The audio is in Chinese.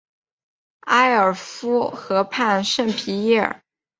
埃尔夫河畔圣皮耶尔。